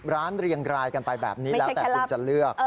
เรียงรายกันไปแบบนี้แล้วแต่คุณจะเลือก